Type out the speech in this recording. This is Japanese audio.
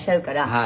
「はい。